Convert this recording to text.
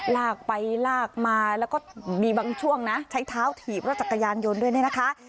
ลากไปลากมาแล้วก็มีบางช่วงนะใช้เท้าถีบรถจักรยานยนต์ด้วยเนี่ยนะคะ